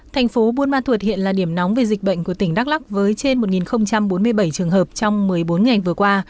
thành phố buôn ma thuột hiện là điểm nóng về dịch bệnh của tỉnh đắk lắc với trên một bốn mươi bảy trường hợp trong một mươi bốn ngày vừa qua